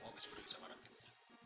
kamu bisa pergi sama raffi